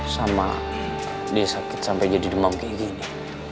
sama dia sakit sampai jadi demam kayak gini